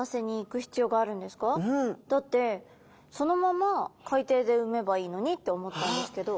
だってそのまま海底でうめばいいのにって思ったんですけど。